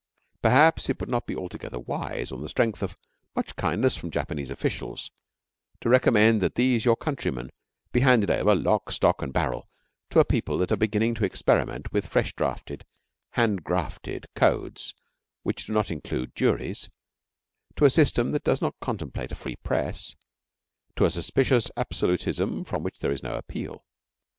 Perhaps it would not be altogether wise on the strength of much kindness from Japanese officials to recommend that these your countrymen be handed over lock, stock, and barrel to a people that are beginning to experiment with fresh drafted half grafted codes which do not include juries, to a system that does not contemplate a free Press, to a suspicious absolutism from which there is no appeal.